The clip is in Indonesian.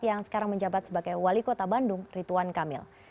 yang sekarang menjabat sebagai wali kota bandung ridwan kamil